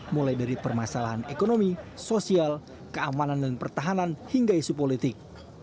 mulai dari permasalahan ekonomi sosial keamanan dan pertahanan hingga isu politik